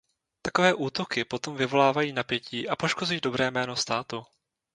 Takové útoky potom vyvolávají napětí a poškozují dobré jméno státu.